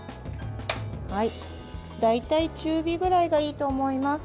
大体、中火ぐらいがいいと思います。